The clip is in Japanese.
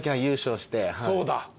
そうだ。